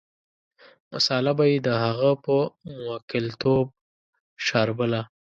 مساله به یې د هغه په موکلتوب شاربله.